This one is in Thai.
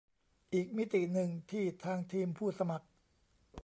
อีกมิติหนึ่ง ที่ทางทีมผู้สมัคร